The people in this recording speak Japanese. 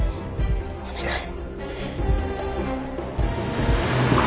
お願い。